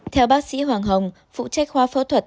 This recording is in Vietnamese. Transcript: theo bác sĩ hoàng hồng phụ trách khoa phẫu thuật